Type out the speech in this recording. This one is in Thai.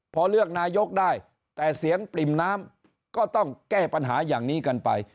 พอเลือกนายกได้แต่เสียงปริ่มน้ำก็ต้องแก้ปัญหาอย่างนี้กันไป